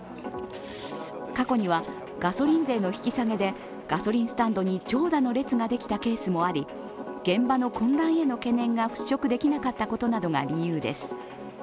過去にはガソリン税の引き下げでガソリンスタンドに長蛇の列ができたケースもあり現場の混乱への懸念が払拭できなかったことなどが理由です。